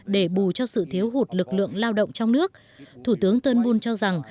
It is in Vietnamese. để bù cho sự thiếu hụt lực lượng lao động trong nước thủ tướng manconten boone cho rằng